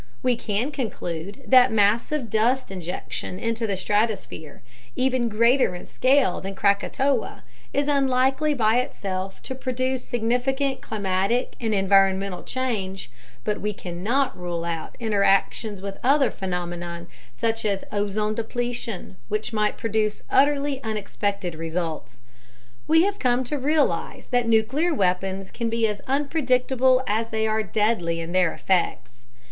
We can conclude that massive dust injection into the stratosphere, even greater in scale than Krakatoa, is unlikely by itself to produce significant climatic and environmental change, but we cannot rule out interactions with other phenomena, such as ozone depletion, which might produce utterly unexpected results. We have come to realize that nuclear weapons can be as unpredictable as they are deadly in their effects.